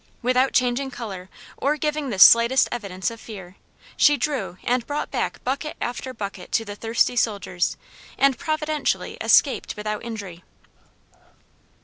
Without changing color or giving the slightest evidence of fear, she drew and brought back bucket after bucket to the thirsty soldiers, and providentially escaped without injury.